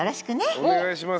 お願いします。